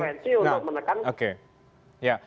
iya intervensi untuk menekan